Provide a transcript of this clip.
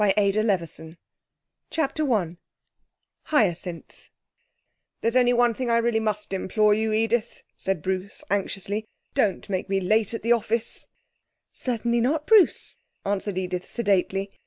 SHAKESPEARE CHAPTER I Hyacinth 'There's only one thing I must really implore you, Edith,' said Bruce anxiously. 'Don't make me late at the office!' 'Certainly not, Bruce,' answered Edith sedately.